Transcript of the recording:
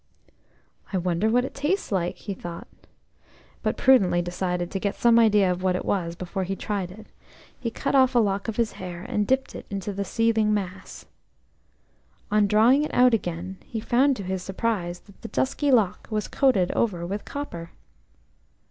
"I wonder what it tastes like?" he thought, but prudently deciding to get some idea of what it was made before he tried it, he cut off a lock of his hair and dipped it into the seething mass. On drawing it out again, he found to his surprise that the dusky lock was coated over with copper.